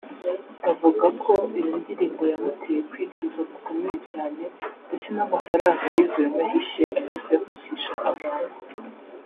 avugako iyo ndirimbo yamuteye kwicuza gukomeye cyane ndetse namafaranga yayivuyemo yahise ajya kuyafashisha abantu